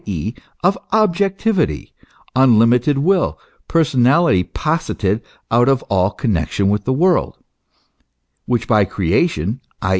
e., of objectivity, unlimited will, personality posited out of all connexion with the world, which by creation, i.